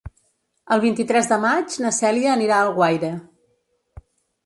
El vint-i-tres de maig na Cèlia anirà a Alguaire.